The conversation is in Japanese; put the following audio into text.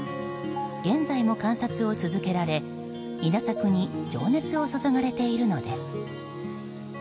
現在も観察を続けられ稲作に情熱を注がれているのです。